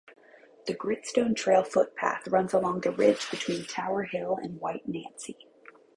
The Gritstone Trail footpath runs along the ridge between Tower Hill and White Nancy.